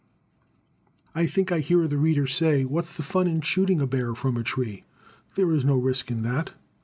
I think I hear the reader say, "What's the fun in shooting a bear from a tree? there is no risk in that."